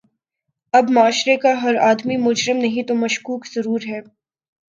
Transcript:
اب معاشرے کا ہر آدمی مجرم نہیں تو مشکوک ضرور ہے۔